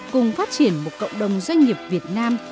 cùng phát triển một cộng đồng doanh nghiệp việt nam